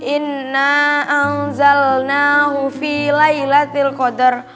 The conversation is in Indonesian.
inna anzalnahu fi laylatil qadar